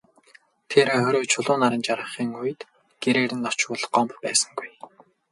Тэр орой Чулуун наран жаргахын үед гэрээр нь очвол Гомбо байсангүй.